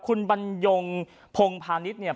คุณบันยงพงภานิษย์